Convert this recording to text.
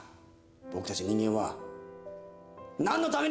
僕たち人間は、笑うためや。